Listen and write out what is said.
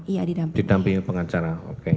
iya didampingi pengacara